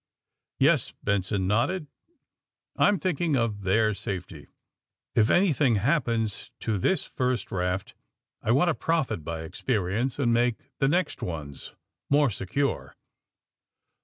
'^Yes,'^ Benson nodded. *^I'm thinking of their safety. If anything happens to this first raft I want to profit by experience and make the next ones more secure.